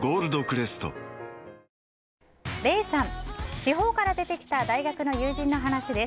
地方から出てきた大学の友人の話です。